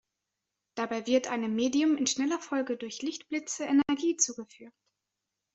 Dabei wird einem Medium in schneller Folge durch Lichtblitze Energie zugeführt.